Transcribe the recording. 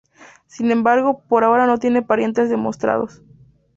Sin embargo, por ahora no tiene parientes demostrados.